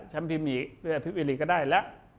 แชมป์พรีมก็ได้แล้ว